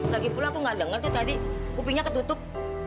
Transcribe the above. lagipula aku nggak dengar tuh tadi kupingnya ketutup